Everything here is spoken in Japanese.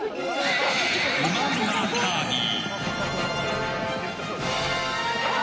うまうまダービー！